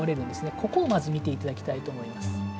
ここをまず見ていただきたいと思います。